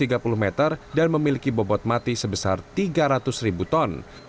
dengan panjang tiga ratus tiga puluh meter dan memiliki bobot mati sebesar tiga ratus ribu ton